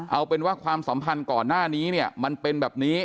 เอาเป็นว่าความสัมพันธ์ก่อนหน้านี้เนี่ยมันเป็นแบบนี้